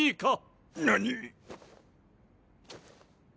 何！？